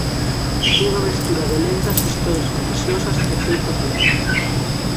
Unha mestura de lendas, historias fantasiosas e feitos reais.